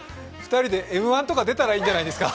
２人でＭ−１とか出たらいいんじゃないですか。